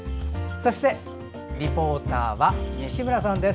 そして、リポーターは西村さんです。